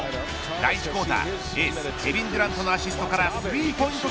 第１クオーター、エースケビン・デュラントのアシストからスリーポイント